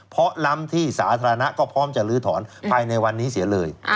เพราะล้ำที่สาธารณะก็พร้อมจะลื้อถอนภายในวันนี้เสียเลย